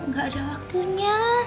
gak ada waktunya